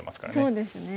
そうですね。